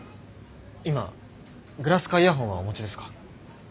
今グラスかイヤホンはお持ちですか？